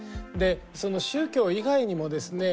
その宗教以外にもですね